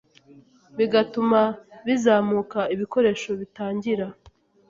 bigatuma bizamuka Ibikoresho bitangira